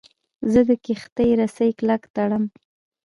زه د کښتۍ رسۍ کلکه تړم.